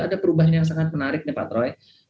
ada perubahan yang sangat menarik nih pak troy